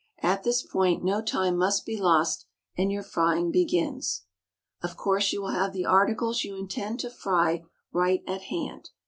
At this point no time must be lost, and your frying begins. Of course you will have the articles you intend to fry right at hand.